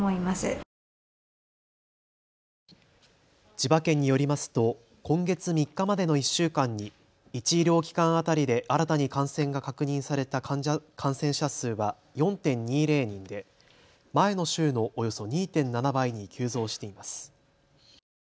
千葉県によりますと今月３日までの１週間に１医療機関当たりで新たに感染が確認された感染者数は４．２０人で前の週のおよそ２．７倍に急増しています。